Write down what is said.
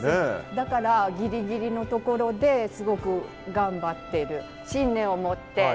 だからギリギリのところですごく頑張ってる。